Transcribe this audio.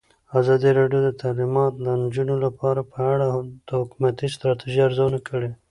ازادي راډیو د تعلیمات د نجونو لپاره په اړه د حکومتي ستراتیژۍ ارزونه کړې.